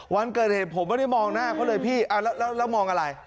วันเกิดเหตุผมไม่ได้มองหน้าเขาเลยพี่แล้วมองอะไร